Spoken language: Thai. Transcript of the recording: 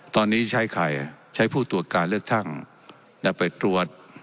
ตอนนี้ใช้ใครใช้ผู้ตรวจการเลือกตั้งไปตรวจ